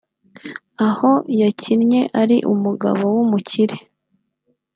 aho yakinnye ari umugabo w'umukire